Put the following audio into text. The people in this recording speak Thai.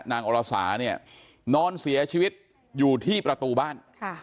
อรสาเนี่ยนอนเสียชีวิตอยู่ที่ประตูบ้าน